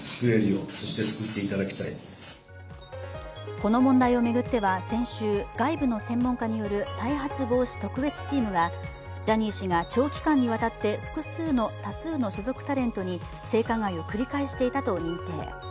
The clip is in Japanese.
この問題を巡っては、先週、外部の専門家による再発防止特別チームがジャニー氏が長期間にわたって多数の所属タレントに性加害を繰り返していたと認定。